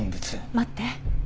待って。